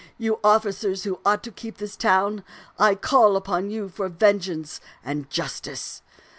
* You officers who ought to keep this town, I call upon you for vengeance and justice.'